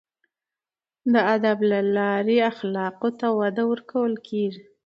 د ادب له لارې اخلاقو ته وده ورکول کیږي.